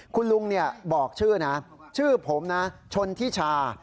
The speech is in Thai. คุณลุงบอกชื่อนะชื่อผมนะชนทิชา